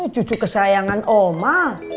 cucu kesayangan oma